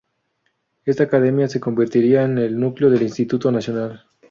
Esta academia se convertiría en el núcleo del Instituto Nacional.